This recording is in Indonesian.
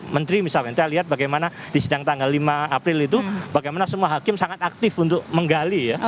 menteri misalnya kita lihat bagaimana di sidang tanggal lima april itu bagaimana semua hakim sangat aktif untuk menggali ya